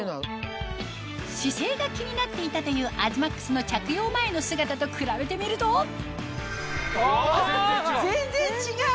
姿勢が気になっていたという東ＭＡＸの着用前の姿と比べてみるとあ全然違う！